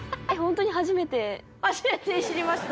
初めていじりました。